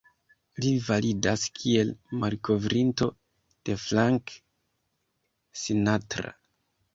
Li validas kiel malkovrinto de Frank Sinatra.